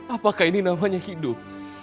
apakah ini namanya hidup